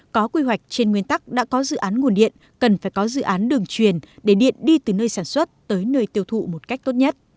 có quy hoạch trên nguyên tắc đã có dự án nguồn điện cần phải có dự án đường truyền để điện đi từ nơi sản xuất tới nơi tiêu thụ một cách tốt nhất